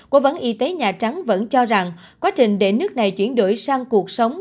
cố vấn y tế nhà trắng vẫn cho rằng quá trình để nước này chuyển đổi sang cuộc sống